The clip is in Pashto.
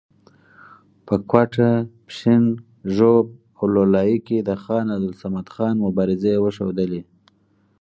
په کوټه، پښین، ژوب او لور لایي کې د خان عبدالصمد خان مبارزې وښودلې.